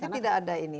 jadi tidak ada ini